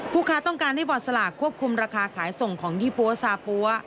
ค้าต้องการให้บอร์ดสลากควบคุมราคาขายส่งของยี่ปั๊วซาปั๊ว